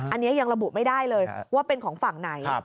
อันนี้ยังระบุไม่ได้เลยว่าเป็นของฝั่งไหน